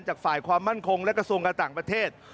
จากฝ่ายความมั่นคงและกระทรวงการต่างประเทศ